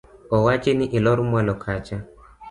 Owachi ni ilor mwalo kacha.